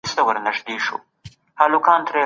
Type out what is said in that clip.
ځينو پوهانو يوازي مادي کلتور ته ډېر ارزښت ورکړ.